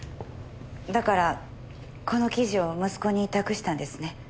だからこの記事を息子に託したんですね。